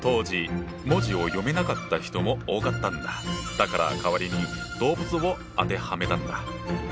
だから代わりに動物を当てはめたんだ。